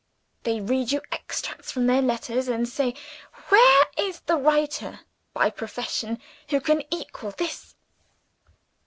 They read you extracts from their letters, and say, "Where is the writer by profession who can equal this?"